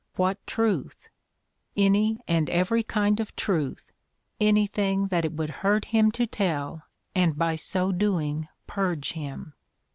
What truth? Any and every kind of truth — anything that it would hurt him to tell and by so doing purge him